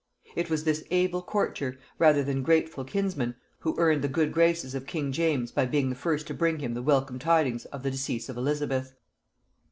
It was this able courtier, rather than grateful kinsman, who earned the good graces of king James by being the first to bring him the welcome tidings of the decease of Elizabeth.